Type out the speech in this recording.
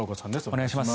お願いします。